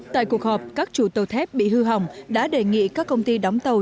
tại cuộc họp các chủ tàu thép bị hư hỏng đã đề nghị các công ty đóng tàu